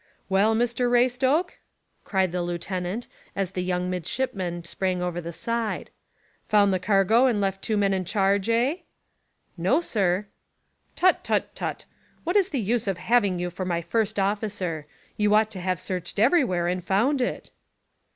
"Well, Mr Raystoke," cried the lieutenant, as the young midshipman sprang over the side; "found the cargo and left two men in charge, eh?" "No, sir." "Tut tut tut! What is the use of having you for my first officer. You ought to have searched everywhere, and found it."